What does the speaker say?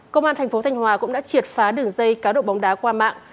công an thành phố thanh hòa cũng đã triệt phá đường dây cá độ bóng đá qua mạng